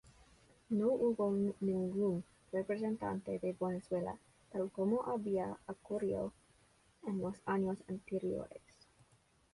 No hubo ningún representante de Venezuela, tal como había ocurrido en los años anteriores.